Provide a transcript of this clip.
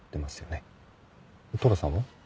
寅さんは？